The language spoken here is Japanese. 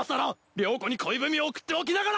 了子に恋文を送っておきながら！